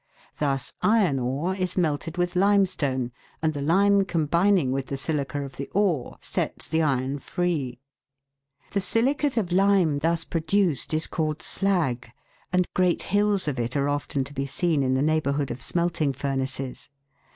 Thus iron ore is melted with limestone, and the lime combining with the silica of the ore, sets the iron free. The silicate of lime thus produced is called slag, and great hills of it are often 310 THE WORLD'S LUMBER ROOM. to be seen in the neighbourhood of smelting furnaces.